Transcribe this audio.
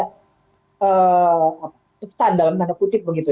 tepatan dalam tanda kucing begitu